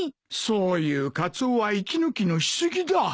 そういうカツオは息抜きのし過ぎだ。